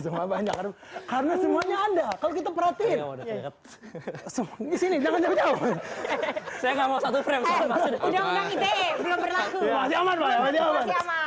semua banyak karena semuanya anda kalau kita perhatiin semuanya sini jangan saya nggak mau